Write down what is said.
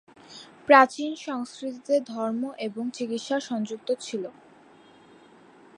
প্রাচীন সংস্কৃতিতে, ধর্ম এবং চিকিৎসা সংযুক্ত ছিল।